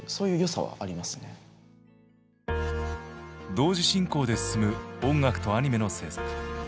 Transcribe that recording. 同時進行で進む音楽とアニメの制作。